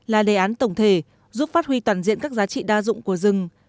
là đề án tổng thể giúp phát huy toàn diện các giá trị đa dụng của rừng